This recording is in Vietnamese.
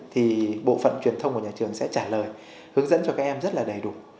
thì bộ phận truyền thông của nhà trường sẽ trả lời hướng dẫn cho các em rất là đầy đủ